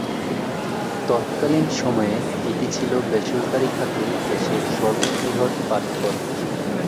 তৎকালীন সময়ে এটি ছিল বেসরকারি খাতে দেশের সর্ববৃহৎ পাটকল।